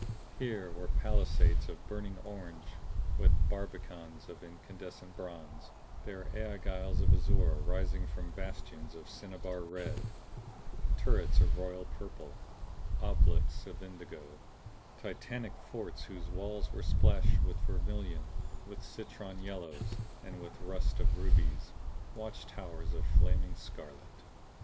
Here were palisades of burning orange with barbicans of incandescent bronze; there aiguilles of azure rising from bastions of cinnabar red; turrets of royal purple, obelisks of indigo; titanic forts whose walls were splashed with vermilion, with citron yellows and with rust of rubies; watch towers of flaming scarlet.